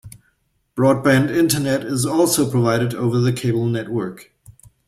Broadband internet is also provided over the cable network.